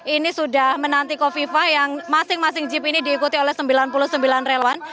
ini sudah menanti kofifa yang masing masing jeep ini diikuti oleh sembilan puluh sembilan relawan